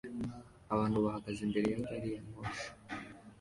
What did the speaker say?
Abantu bahagaze imbere ya gari ya moshi